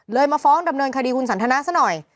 มาฟ้องดำเนินคดีคุณสันทนาซะหน่อย